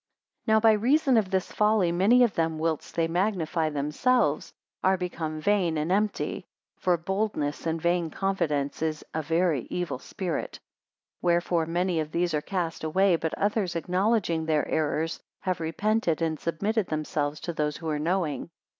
201 Now by reason of this folly many of them whilst they magnify themselves, are become vain and empty. For boldness and vain confidence is a very evil spirit. 202 Wherefore many of these are cast away; but others acknowledging their error, have repented, and submitted themselves to those who are knowing.